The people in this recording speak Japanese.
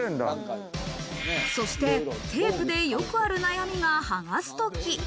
そしてテープでよくある悩みが剥がすとき。